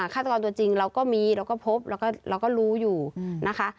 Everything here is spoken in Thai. ฆาตกรตัวจริงเราก็มีเราก็พบเราก็รู้อยู่นะคะ